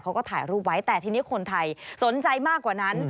เขาก็ถ่ายรูปไว้แต่ทีนี้คนไทยสนใจมากกว่านั้น